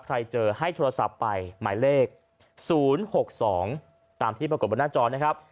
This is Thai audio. ใครเจอให้โทรศัพท์ไปหมายเลขศูนย์หกสองตามที่ปรากฏบนหน้าจรนะครับ